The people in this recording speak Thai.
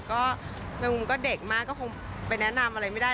ก็แมวก็เด็กมากก็คงไปแนะนำอะไรไม่ได้